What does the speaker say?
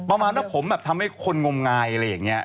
ประมาณว่าผมแบบทำให้คนงมงายอะไรอย่างนี้